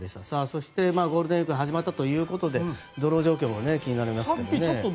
そしてゴールデンウィーク始まったということで道路状況も気になりますよね。